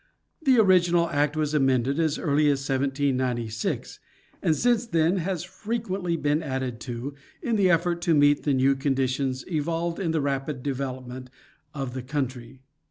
The original act was amended as early as 1796, and since then has frequently been added to in the effort to meet the new conditions evolved in the rapid development of the country.